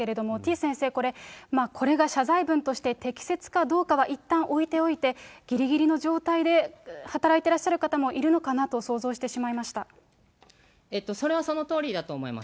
先生、これ、これが謝罪文として適切かどうかはいったん置いておいて、ぎりぎりの状態で働いていらっしゃる方もいるのかなと想像してしそれはそのとおりだと思います。